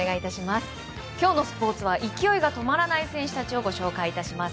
今日のスポーツは勢いが止まらない選手たちをご紹介します。